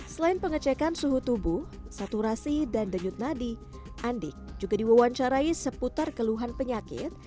selain pengecekan suhu tubuh saturasi dan denyut nadi andik juga diwawancarai seputar keluhan penyakit